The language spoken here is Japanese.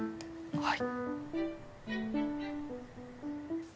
はい！